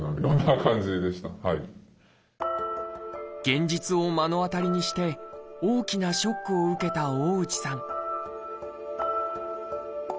現実を目の当たりにして大きなショックを受けた大内さん